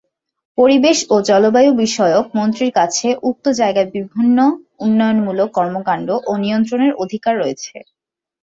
পরিবেশ ও জলবায়ু বিষয়ক মন্ত্রীর কাছে উক্ত জায়গায় বিভিন্ন উন্নয়নমূলক কর্মকাণ্ড ও নিয়ন্ত্রণের অধিকার রয়েছে।